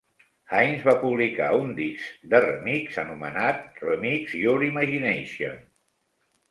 Hines van publicar un disc de remix anomenat "Remix Your Imagination".